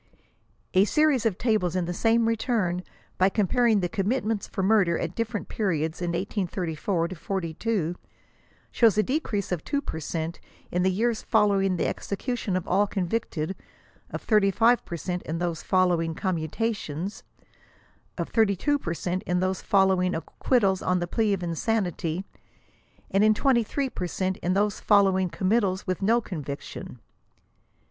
*' A series of tables in the same return, by comparing the commitments for murder at different periods in 1834 42, shows a decrease of 2 per cent in the years following the execution of all convicted; of 35 per cent in those following commutation; of 32 per cent in those following acquittals on the plea of insanity ; and of 23 per cent in those folio wmg committals with no conviction.